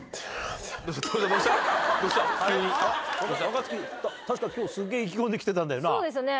若槻確か今日すげえ意気込んで来てたんだよな。